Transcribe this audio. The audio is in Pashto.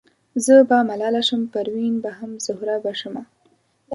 زه به ملاله شم پروین به شم زهره به شمه